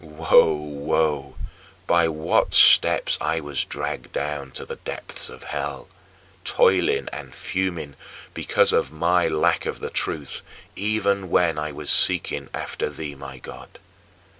Woe, woe, by what steps I was dragged down to "the depths of hell" toiling and fuming because of my lack of the truth, even when I was seeking after thee, my God!